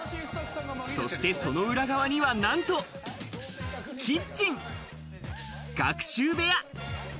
そしてその裏側にはなんと、キッチン、学習部屋。